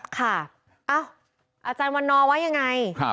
ค่ะอาจารย์วันนอว่ายังไง